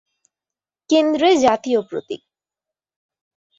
কেন্দ্রে জাতীয় প্রতীক।